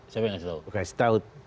siapa yang ngasih tau